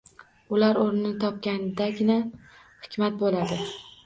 Ular o‘rnini topganidagina hikmat bo‘ladi.